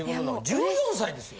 １４歳ですよ。